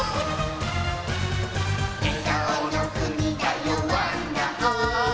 「えがおのくにだよワンダホー」